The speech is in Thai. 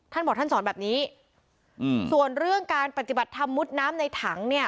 ท่านบอกท่านสอนแบบนี้อืมส่วนเรื่องการปฏิบัติธรรมมุดน้ำในถังเนี่ย